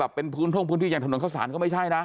เป็นพื้นท่งพื้นที่อย่างถนนข้าวสารก็ไม่ใช่นะ